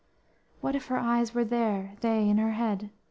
What if her eyes were there, they in her head?